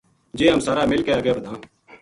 جے ہم سارا مل کے اَگے بدھاں